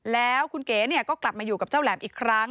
แล้วคุณเก๋ก็กลับมาอยู่กับเจ้าแหลมอีกครั้ง